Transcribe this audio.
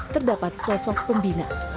terdapat sosok pembina